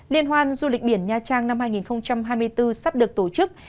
liên hoan du lịch biển nha trang năm hai nghìn hai mươi bốn sắp được tổ chức